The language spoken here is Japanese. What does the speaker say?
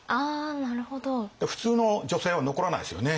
普通の女性は残らないですよね